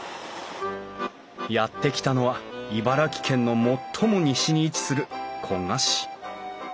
やって来たのは茨城県の最も西に位置する古河市。